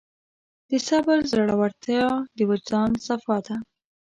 د صبر زړورتیا د وجدان صفا ده.